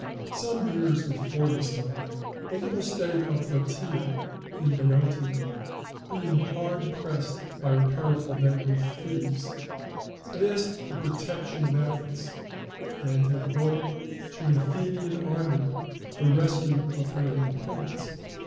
Some years before this time the little state of Platæa in Boeotia, being hard pressed by her powerful neighbor, Thebes, had asked the protection of Athens, and had owed to an Athe man army the rescue of her independence.